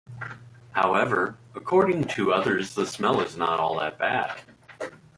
However, according to others the smell is not all that bad.